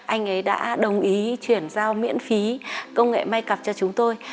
anh ấy đã đồng ý chuyển giao miễn phí công nghệ may cặp cho chúng tôi